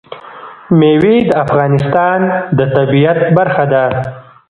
مېوې د افغانستان د طبیعت برخه ده.